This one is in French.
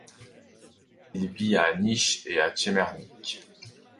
Il vit à Niš et à Čemernik.